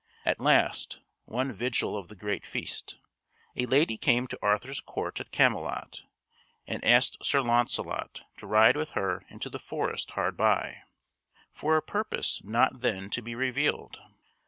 At last, one vigil of the great feast, a lady came to Arthur's court at Camelot and asked Sir Launcelot to ride with her into the forest hard by, for a purpose not then to be revealed.